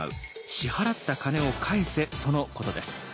支払った金を返せ」とのことです。